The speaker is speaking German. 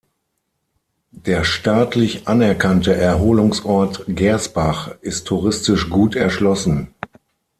Der staatlich anerkannte Erholungsort Gersbach ist touristisch gut erschlossen.